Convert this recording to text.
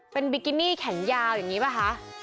เป็นบิกินี่แขนยาวอย่างนี้ป่ะคะ